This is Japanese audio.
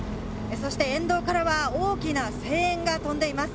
沿道からは大きな声援が飛んでいます。